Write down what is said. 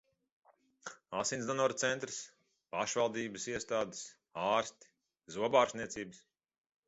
Asinsdonoru centrs. pašvaldības iestādes. ārsti. zobārstniecības...